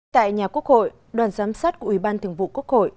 tại nhà quốc hội đoàn giám sát của ủy ban thường vụ quốc hội